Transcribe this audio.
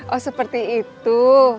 oh seperti itu